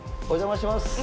お邪魔します。